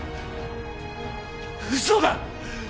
嘘だ！